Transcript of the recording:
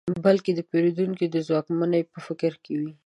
بلکې د پېرودونکو د ځواکمنۍ په فکر کې وي.